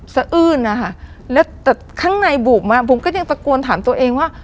อื้นนะคะแล้วแต่ข้างในบูบมาบุ๋มก็ยังตะโกนถามตัวเองว่า